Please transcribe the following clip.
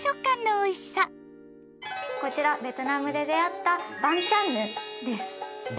こちらベトナムで出会ったバンチャンヌン？